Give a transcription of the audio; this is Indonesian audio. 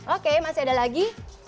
oke masih ada lagi